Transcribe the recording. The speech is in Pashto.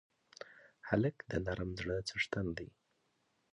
هلک د نرم زړه څښتن دی.